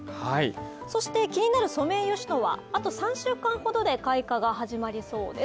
そして気になるソメイヨシノはあと３週間ほどで開花が始まりそうです。